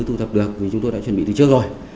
thu thập được vì chúng tôi đã chuẩn bị từ trước rồi